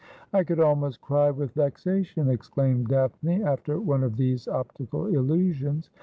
' I could almost cry with vexation,' exclaimed Daphne after one of these optical illusions.